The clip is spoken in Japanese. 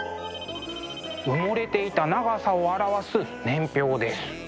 埋もれていた長さを表す年表です。